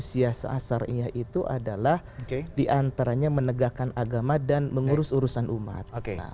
siasasarnya itu adalah diantaranya menegakkan agama dan mengurus urusan umat